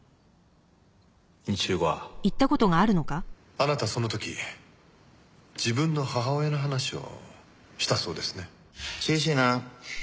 あなたはその時自分の母親の話をしたそうですね。